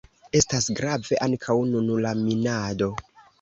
Estas grave ankaŭ nun la minado.